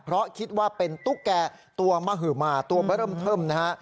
เพราะคิดว่าเป็นตุ๊กแก่ตัวมหือมาตัวเบอร์เริ่มเทิมนะฮะ